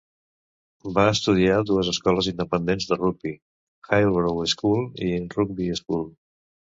Va estudiar a dues escoles independents de Rugby: Hillbrow School i Rugby School.